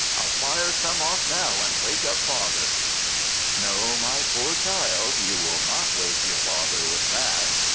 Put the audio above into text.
I'll fire some off now and wake up father." No, my poor child, you will not wake your father with that.